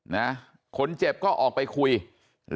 แล้วป้าไปติดหัวมันเมื่อกี้แล้วป้าไปติดหัวมันเมื่อกี้